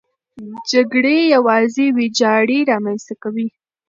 جګړې یوازې ویجاړي رامنځته کوي.